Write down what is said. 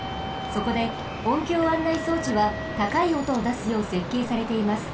そこで音響案内装置はたかいおとをだすようせっけいされています。